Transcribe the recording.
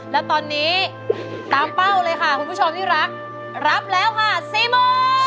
และตอนนี้ตามเป้าเลยค่ะคุณผู้ชมที่รักรับแล้วค่ะสี่หมื่น